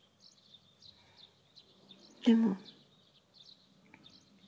でも。